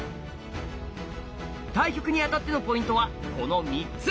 対局にあたってのポイントはこの３つ！